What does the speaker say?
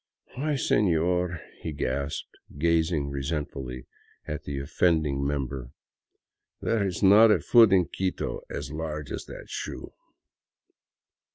" Why, sefior," he gasped, gazing resentfully at the offending mem ber, '' there is not a foot in Quito as large as that shoe."